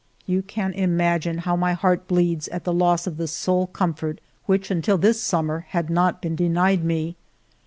You can imagine how my heart bleeds at the loss of the sole comfort which, until this summer, had not been denied me.